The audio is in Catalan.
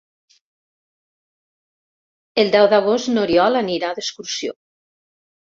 El deu d'agost n'Oriol anirà d'excursió.